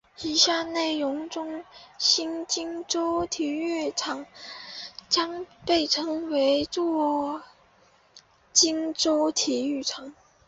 以下内容中新金州体育场将被称作金州体育场。